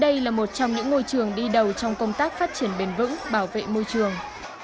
đây là một trong những ngôi trường đi đầu trong công tác phát triển bền vững bảo vệ môi trường